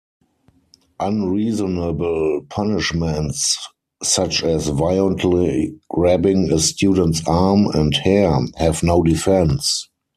Unreasonable punishments, such as violently grabbing a student's arm and hair, have no defense.